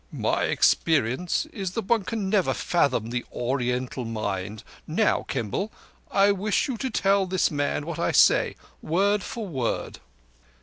"My experience is that one can never fathom the Oriental mind. Now, Kimball, I wish you to tell this man what I say word for word."